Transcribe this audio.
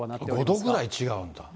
５度ぐらい違うんだ。